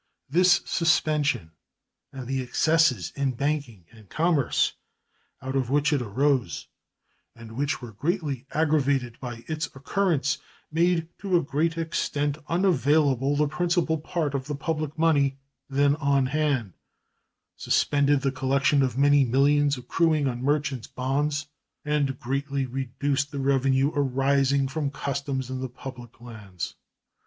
This suspension and the excesses in banking and commerce out of which it arose, and which were greatly aggravated by its occurrence, made to a great extent unavailable the principal part of the public money then on hand, suspended the collection of many millions accruing on merchants' bonds, and greatly reduced the revenue arising from customs and the public lands.